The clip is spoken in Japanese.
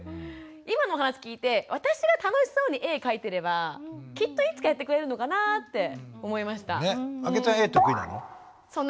今の話を聞いて私が楽しそうに絵描いてればきっといつかやってくれるのかなって思いました。